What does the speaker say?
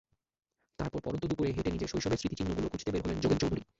তারপর পড়ন্ত দুপুরে হেঁটে নিজের শৈশবের স্মৃতিচিহ্নগুলো খুঁজতে বের হলেন যোগেন চৌধুরী।